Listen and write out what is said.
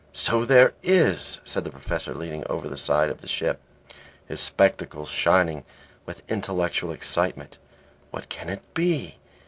"So there is," said the Professor, leaning over the side of the ship, his spectacles shining with intellectual excitement. "What can it be?